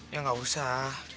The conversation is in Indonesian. ya gak usah